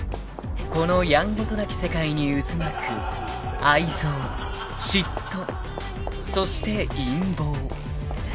［このやんごとなき世界に渦巻く愛憎嫉妬そして陰謀］